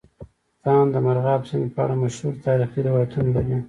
افغانستان د مورغاب سیند په اړه مشهور تاریخي روایتونه لري.